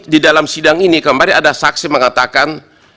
di dalam sidang ini kemarin ada saksi mengatakan